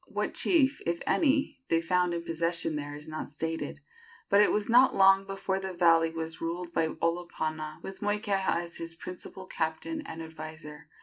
What chief, if any, they found in possession there is not stated; but it was not long before the valley was ruled by Olopana, with Moikeha as his principal captain and adviser.